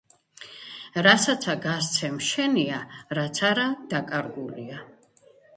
რასაცა გასცემ შენია, რაც არა დაკარგული